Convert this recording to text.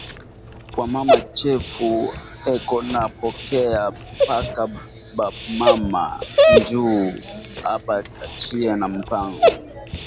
Kwa mama chefu eko na pokeya paka ba mama, njuu aba kachiye ma mpango